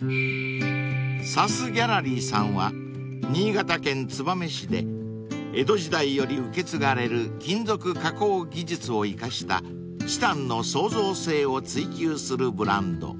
［新潟県燕市で江戸時代より受け継がれる金属加工技術を生かしたチタンの創造性を追求するブランド］